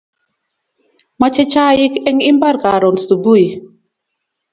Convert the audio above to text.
mache chaik en imbar karun subui